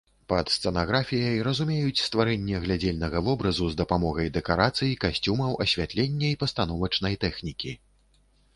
Пад сцэнаграфіяй разумеюць стварэнне глядзельнага вобразу з дапамогай дэкарацый, касцюмаў, асвятлення і пастановачнай тэхнікі.